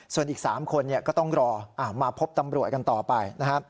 ส่วนอีก๓คนก็ต้องรอมาพบตำรวจกันต่อไปนะครับ